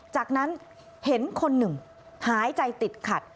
จากนั้นเห็นคนหนึ่งหายใจติดขัด